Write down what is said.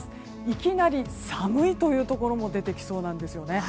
いきなり寒いというところも出てきそうなんですね。